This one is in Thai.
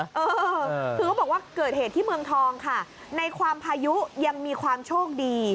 เออคือเขาบอกว่าเกิดเหตุที่เมืองทองค่ะในความพายุยังมีความโชคดี